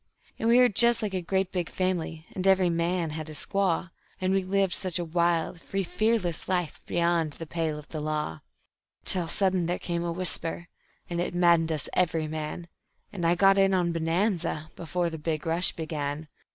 "We were just like a great big family, and every man had his squaw, And we lived such a wild, free, fearless life beyond the pale of the law; Till sudden there came a whisper, and it maddened us every man, And I got in on Bonanza before the big rush began.